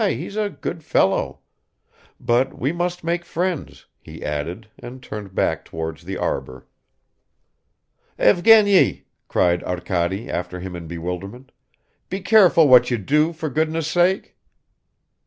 He's a good fellow. But we must make friends," he added, and turned back towards the arbor. "Evgeny," cried Arkady after him in bewilderment, "be careful what you do, for goodness' sake."